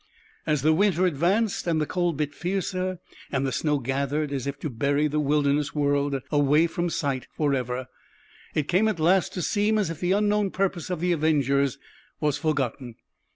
As the winter advanced, and the cold bit fiercer, and the snow gathered as if to bury the wilderness world away from sight forever, it came at last to seem as if the unknown purpose of the avengers was forgotten.